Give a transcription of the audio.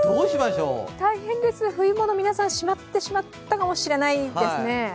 大変です、冬物、皆さんしまってしまったかもしれないですね。